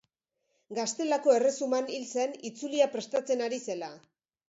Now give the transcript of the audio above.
Gaztelako Erresuman hil zen itzulia prestatzen ari zela.